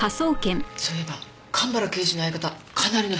そういえば蒲原刑事の相方かなりの変人なんだって？